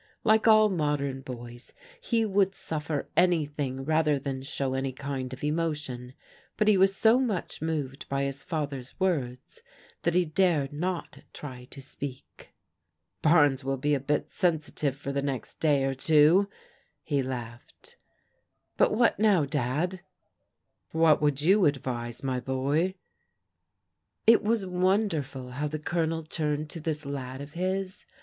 Like all modem boys he would suffer anything rather than show any kind of emotion, but he was so much moved by his father's words that he dared not try to speak. Barnes will be a bit sensitive for the uea^t is^ ^t two^ he laughed. " But what now, Dad"} 182 PEODIGAL DAUGHTERS "What would you advise, my boy?" It was wonderful how the Colonel turned to this lad of his.